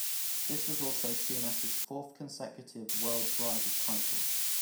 This was also Schumacher's fourth consecutive World Driver's title.